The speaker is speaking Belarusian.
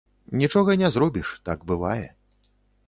Нічога не зробіш, так бывае.